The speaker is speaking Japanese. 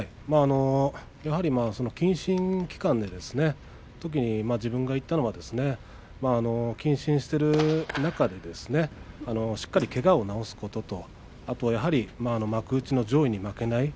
やはり謹慎期間で自分が言ったのは謹慎している中でしっかりけがを治すこととそれから幕内の上位に負けない。